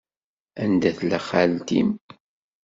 Anda tella xalti-m?